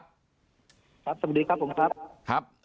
สวัสดีครับผมครับ